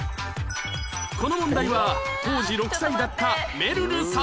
この問題は当時６歳だっためるるさん